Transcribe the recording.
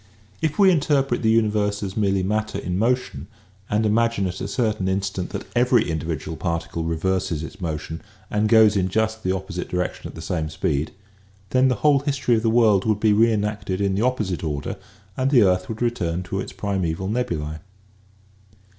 If we in terpret the universe as merely matter in motion and imagine at a certain instant that every individual par ticle reverses its motion and goes in just the opposite direction at the same speed, then the whole history of the world would be reenacted in the opposite order and the earth would return to its primeval nebulae.